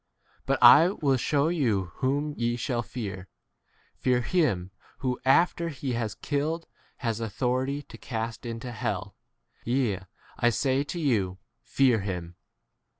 But I will shew you whom ye shall fear : Fear him who after he has killed has authority to cast into hell. 6 Yea, I say to you, Fear him.